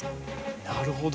なるほど。